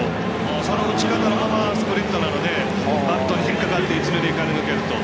その打ち方のままスプリットなのでバットに引っ掛かって一、二塁間に抜けると。